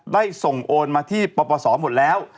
ได้ส่งโอนมาที่ปปศหมดแล้ว